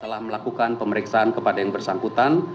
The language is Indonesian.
telah melakukan pemeriksaan kepada yang bersangkutan